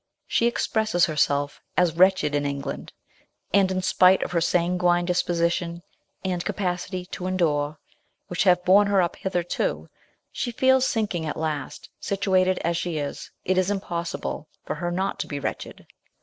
She expresses herself as wretched in WIDO WHOOD. 183 England, and in spite of her sanguine disposition and capacity to endure, which have borne her up hitherto, she feels sinking at last ; situated as she is, it is im possible for her not to be wretched.